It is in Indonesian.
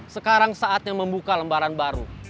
sekarang saatnya membuka lembaran baru